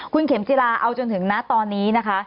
คุณเข็มจิลาเอาจนถึงนะตอนนี้นะคะ